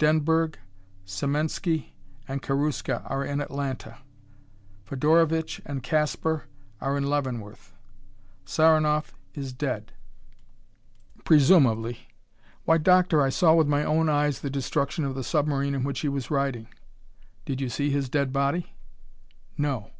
Denberg, Semensky and Karuska are in Atlanta; Fedorovitch and Caspar are in Leavenworth; Saranoff is dead " "Presumably." "Why, Doctor, I saw with my own eyes the destruction of the submarine in which he was riding!" "Did you see his dead body?" "No."